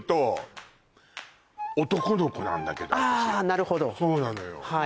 なるほどそうなのよ